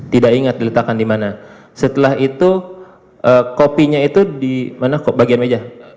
tidak ingat diletakkan di mana setelah itu kopinya itu di mana bagian meja